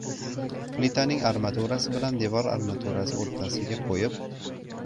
plitaning armaturasi bilan devor armaturasi o‘rtasiga qo‘yib